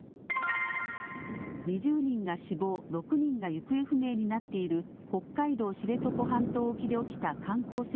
２０人が死亡、６人が行方不明になっている北海道知床半島沖で起きた観光船